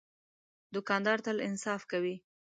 دوکاندار تل انصاف کوي.